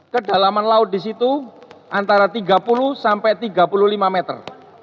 kedalaman laut di situ antara tiga puluh sampai tiga puluh lima meter